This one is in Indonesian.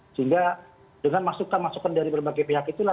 sehingga dengan masukan masukan dari berbagai pihak itulah